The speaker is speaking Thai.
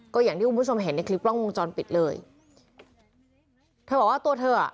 ก็อย่างที่คุณผู้ชมเห็นในคลิปกล้องวงจรปิดเลยเธอบอกว่าตัวเธออ่ะ